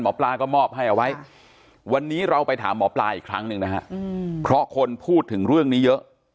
หมอปลาก็มอบให้เอาไว้วันนี้เราไปถามหมอปลาอีกครั้งหนึ่งนะฮะเพราะคนพูดถึงเรื่องนี้เยอะ